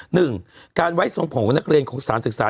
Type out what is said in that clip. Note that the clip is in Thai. หนึ่งการไว้ทรงผมของนักเรียนของสารศึกษา